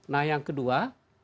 nah yang kedua